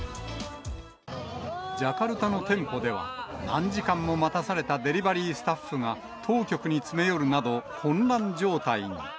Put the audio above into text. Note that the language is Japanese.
ジャカルタの店舗では、何時間も待たされたデリバリースタッフが当局に詰め寄るなど混乱状態に。